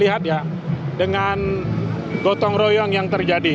kenapa kami bisa lihat ya dengan gotong royong yang terjadi